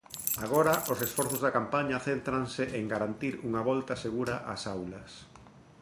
Agora os esforzos da campaña céntranse en garantir unha volta segura ás aulas.